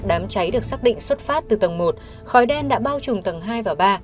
đám cháy được xác định xuất phát từ tầng một khói đen đã bao trùm tầng hai và ba